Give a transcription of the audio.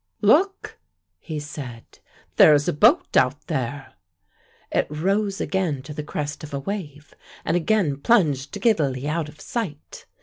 "Look," he said, "there is a boat out there." It rose again to the crest of a wave and again plunged giddily out of sight.